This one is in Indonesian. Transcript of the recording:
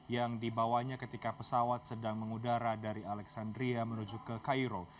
yang dibawanya ketika pesawat sedang mengudara dari alexandria menuju ke cairo